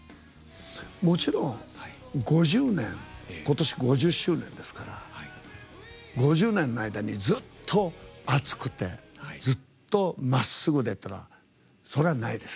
もちろん５０年今年５０周年ですから５０年の間に、ずっと熱くてずっとまっすぐでってそれはないです。